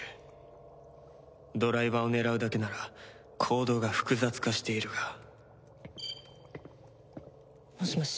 ドライバーを狙うだけなら行動が複雑化しているがもしもし。